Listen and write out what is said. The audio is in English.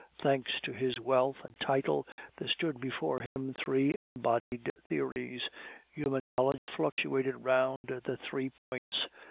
Thanks to his wealth and title, there stood before him three embodied theories; human knowledge fluctuated round the three points.